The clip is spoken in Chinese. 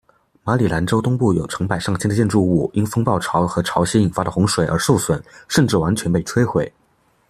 马里兰州东部有成百上千的建筑物因风暴潮和潮汐引发的洪水而受损甚至完全被摧毁。